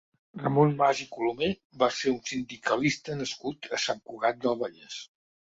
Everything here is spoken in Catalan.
Ramon Mas i Colomer va ser un sindicalista nascut a Sant Cugat del Vallès.